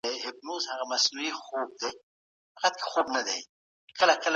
ایا ملي بزګر وچه الوچه اخلي؟